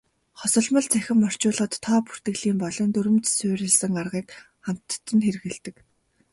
Хосолмол цахим орчуулгад тоо бүртгэлийн болон дүрэм суурилсан аргыг хамтад нь хэрэглэдэг.